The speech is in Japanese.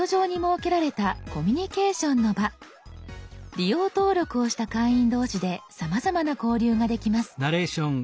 利用登録をした会員同士でさまざまな交流ができます。